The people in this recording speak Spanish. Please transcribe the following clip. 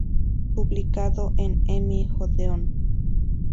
Publicado por Emi-Odeón.